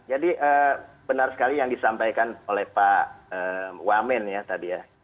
jadi benar sekali yang disampaikan oleh pak wamen ya tadi ya